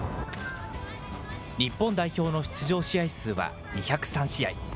日本代表の出場試合数は２０３試合。